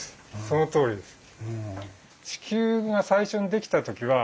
そのとおりです。